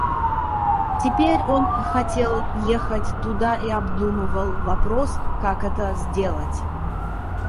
Теперь он хотел ехать туда и обдумывал вопрос, как это сделать.